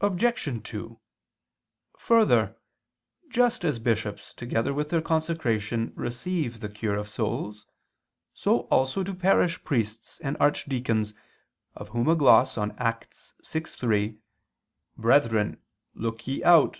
Obj. 2: Further, just as bishops together with their consecration receive the cure of souls, so also do parish priests and archdeacons, of whom a gloss on Acts 6:3, "Brethren, look ye out